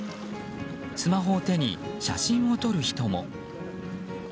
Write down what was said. スマホを手に、写真を撮る人も。